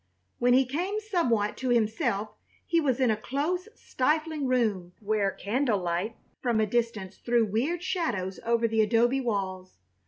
When he came somewhat to himself he was in a close, stifling room where candle light from a distance threw weird shadows over the adobe walls.